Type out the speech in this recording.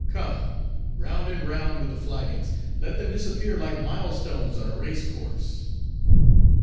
Come!—Round and round with the flagons! Let them disappear like mile stones on a race course!"